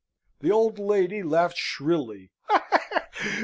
The old lady laughed shrilly.